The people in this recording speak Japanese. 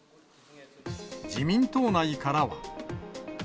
自民党内からは。